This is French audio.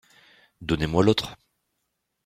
Donnez-moi l’autre.